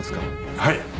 はい。